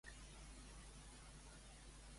Brian i Sally comencen una relació amorosa?